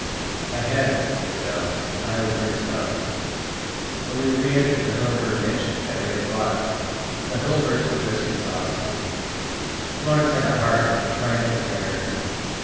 I had, no doubt, eye openers enough. When we re entered the Hurlbird mansion at eight o'clock the Hurlbirds were just exhausted. Florence had a hard, triumphant air.